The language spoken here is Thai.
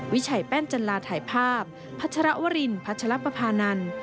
วิชัยแป้นจันลาถ่ายภาพพัชรวรินพัชรปภานันทร์